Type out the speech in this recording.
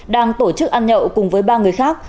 đang tổ chức ăn nhậu cùng với ba người khác